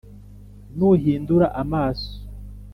nuhindura amaso,